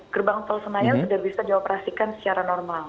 gerbang tol senayan sudah bisa dioperasikan secara normal